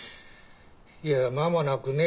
いや間もなくね